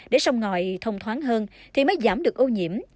để sông ngòi thông thoáng hơn thì mới giảm được ô nhiễm